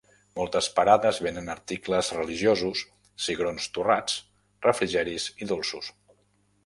Moltes parades venent articles religiosos, cigrons torrats, refrigeris i dolços.